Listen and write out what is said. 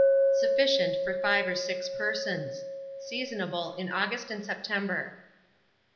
Sufficient for 5 or 6 persons. Seasonable in August and September.